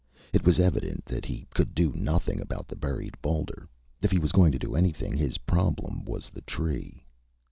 It was evident that he could do nothing about the buried boulder. If he was going to do anything, his problem was the tree.